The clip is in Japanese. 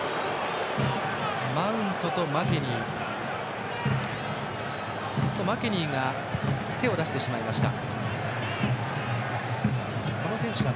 マウントとマケニーの接触がありマケニーが手を出してしまいました。